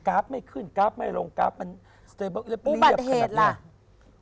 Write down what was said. กราฟไม่ขึ้นกราฟไม่ลงกราฟมันสเตอร์เบิ้ลเรียบเรียบขนาดนี้